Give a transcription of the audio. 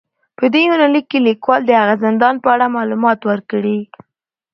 په دې يونليک کې ليکوال د هغه زندان په اړه معلومات ور کړي